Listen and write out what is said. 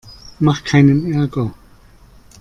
Mach keinen Ärger!